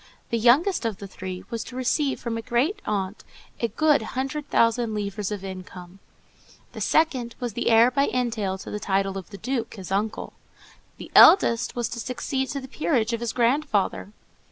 The youngest of the three was to receive from a grandaunt a good hundred thousand livres of income; the second was the heir by entail to the title of the Duke, his uncle; the eldest was to succeed to the peerage of his grandfather.